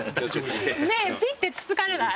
目ピってつつかれない？